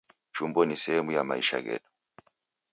Chumbo ni sehemu ya maisha ghedu.